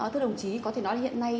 thưa đồng chí có thể nói hiện nay